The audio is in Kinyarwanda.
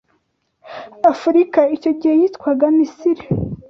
Afurika: icyo gihe yitwaga Misiri